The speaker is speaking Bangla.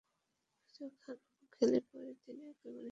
যদি খারাপও খেলি, পরের দিন একই মানসিকতা থাকে।